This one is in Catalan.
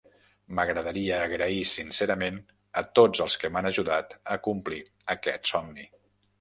M'agradaria agrair sincerament a tots els que m'han ajudat a complir aquest somni.